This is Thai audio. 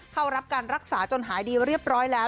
เข้ารับการรักษาจนหายดีเรียบร้อยแล้ว